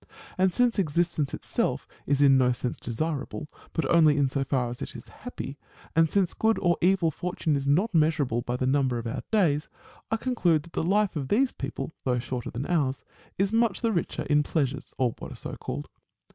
And since existence itself is in no sense desirable, but only in so far as it is happy ; and since good or evil fortune is not measurable by the number of our days ; I conclude that the life of these people, though shorter than ours, is much the richer in pleasures, or what are so called.